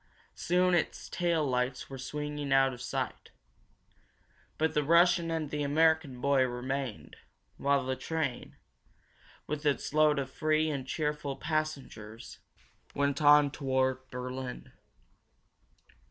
Soon its tail lights were swinging out of sight. But the Russian and the American boy remained, while the train, with its load of free and cheerful passengers, went on toward Berlin.